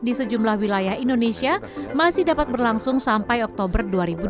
di sejumlah wilayah indonesia masih dapat berlangsung sampai oktober dua ribu dua puluh